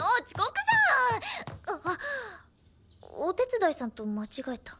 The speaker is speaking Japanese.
あっお手伝いさんと間違えた。